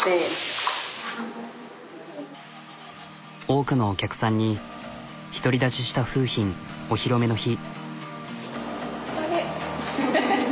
多くのお客さんに独り立ちした楓浜お披露目の日。